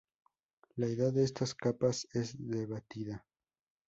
La edad de estas capas es debatida.